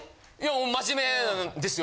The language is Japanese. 真面目ですよ